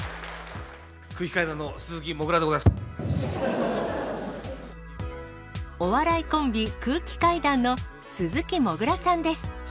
空気階段の鈴木もぐらでござお笑いコンビ、空気階段の鈴木もぐらさんです。